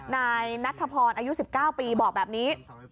นายนัทธพรอายุ๑๙ปีบอกแบบนี้